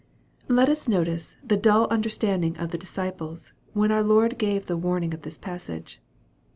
Let us notice the dull understanding of the disciples, when our Lord gave the warning of this passage.